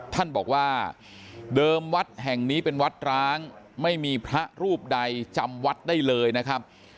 ท่านบอกว่าเดิมวัดแห่งนี้เป็นวัดร้างไม่มีพระรูปใดจำวัดได้เลยนะครับ